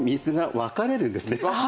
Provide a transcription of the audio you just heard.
分かれる。